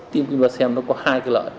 tiêm quynh vasem nó có hai cái lợi